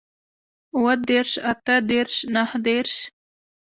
اووه دېرش اتۀ دېرش نهه دېرش